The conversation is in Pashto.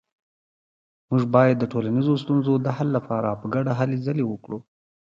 موږ باید د ټولنیزو ستونزو د حل لپاره په ګډه هلې ځلې وکړو